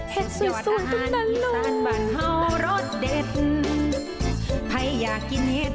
เห็ดสวยสวยตรงนั้นลูก